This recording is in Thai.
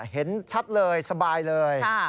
เห็นชัดเลยสบายเลย